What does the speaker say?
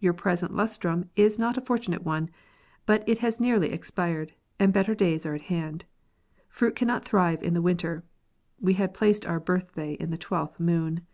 Your present lustrum is not a fortunate one ; but it has nearly expired, and better days are at hand. Fruit cannot thrive in the winter. (We had placed our birthday in the 12th moon.) 72 FORTUNE TELLING.